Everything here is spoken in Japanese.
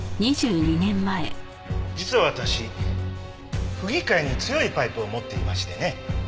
実は私府議会に強いパイプを持っていましてね。